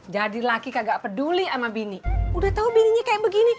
jadi laki kagak peduli sama bini udah tahu kayak begini